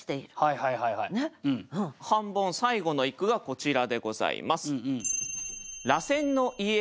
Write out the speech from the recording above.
半ボン最後の一句がこちらでございます。